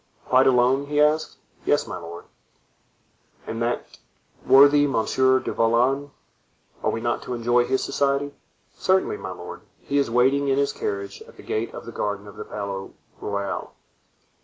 "Quite alone?" he asked. "Yes, my lord." "And that worthy Monsieur du Vallon, are we not to enjoy his society?" "Certainly, my lord; he is waiting in his carriage at the gate of the garden of the Palais Royal."